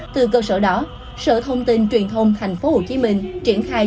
từ cơ sở đó sở thông tin truyền thông tp hcm triển khai